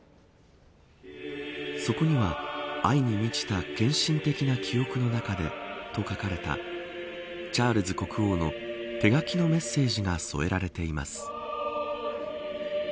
そこには、愛に満ちた献身的な記憶のなかでと書かれたチャールズ国王の手書きのメッセージが添えられています。